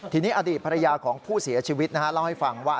ทีนี้อดีตภรรยาของผู้เสียชีวิตเล่าให้ฟังว่า